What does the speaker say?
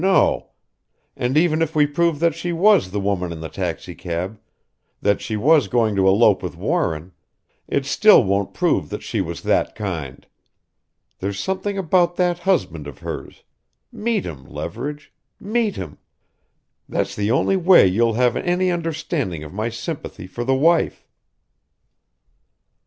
no! And even if we prove that she was the woman in the taxicab that she was going to elope with Warren it still won't prove that she was that kind. There's something about that husband of hers meet him, Leverage meet him! That's the only way you'll have any understanding of my sympathy for the wife."